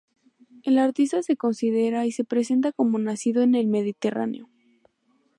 Al artista se considera y se presenta como nacido en el Mediterráneo.